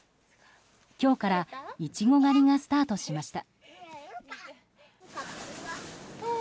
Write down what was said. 今日からイチゴ狩りがスタートしました。